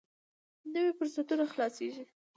نوي فرصتونه خلاصېږي.